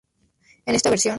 En esta versión.